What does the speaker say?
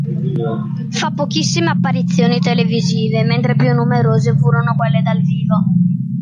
Fa pochissime apparizioni televisive, mentre più numerose furono quelle dal vivo.